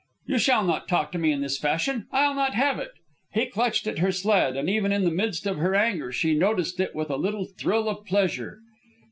"You shall not talk to me in this fashion. I'll not have it." He clutched at her sled, and even in the midst of her anger she noticed it with a little thrill of pleasure.